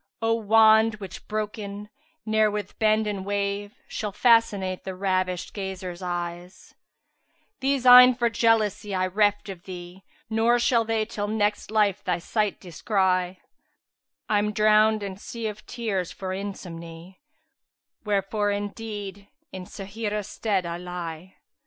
O wand, which broken, ne'er with bend and wave * Shall fascinate the ravisht gazer's eye; These eyne for jealousy I 'reft of thee, * Nor shall they till next life thy sight descry: I'm drowned in sea of tears for insomny * Wherefore, indeed in Sáhirah stead[FN#374] I lie."